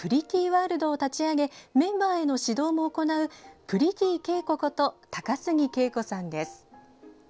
ワールドを立ち上げメンバーへの指導も行うプリティけいここと高杉敬子さんです。